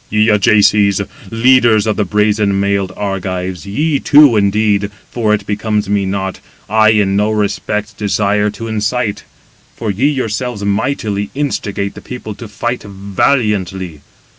"Ye Ajaces, leaders of the brazen mailed Argives, ye two, indeed, for it becomes me not, I in no respect desire to incite; for ye yourselves mightily instigate the people to fight valiantly.